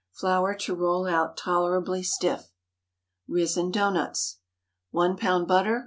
Flour to roll out tolerably stiff. RISEN DOUGHNUTS. 1 lb. butter.